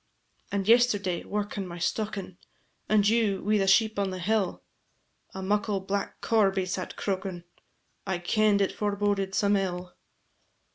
"And yesterday, workin' my stockin', And you wi' the sheep on the hill, A muckle black corbie sat croakin'; I kend it foreboded some ill."